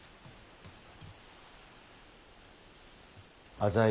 浅井